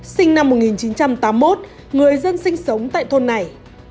sinh năm một nghìn chín trăm tám mươi một người dân sinh sống tại thôn này